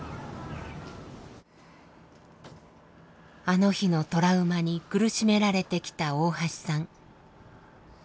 あの日のトラウマに苦しめられてきた大橋さん。